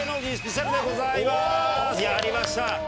やりました！